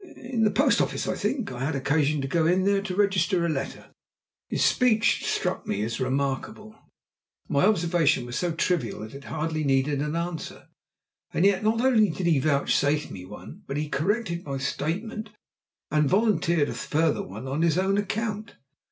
"In the post office, I think. I had occasion to go in there to register a letter." His speech struck me as remarkable. My observation was so trivial that it hardly needed an answer, and yet not only did he vouchsafe me one, but he corrected my statement and volunteered a further one on his own account.